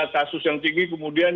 kasus yang tinggi kemudian